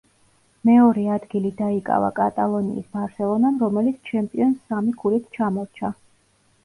მეორე ადგილი დაიკავა კატალონიის „ბარსელონამ“, რომელიც ჩემპიონს სამი ქულით ჩამორჩა.